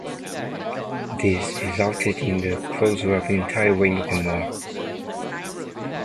This resulted in the closure of an entire wing of the mall.